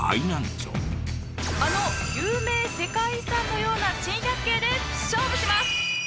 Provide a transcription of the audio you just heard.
あの有名世界遺産のような珍百景で勝負します！